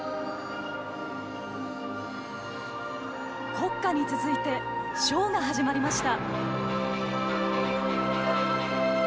国歌に続いてショーが始まりました。